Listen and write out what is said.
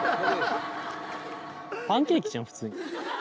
パンケーキじゃん普通に。